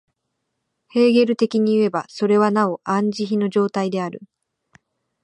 ヘーゲル的にいえば、それはなおアン・ジヒの状態である。